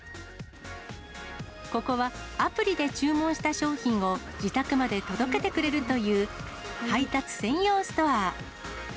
ここはアプリで注文した商品を自宅まで届けてくれるという、配達専用ストア。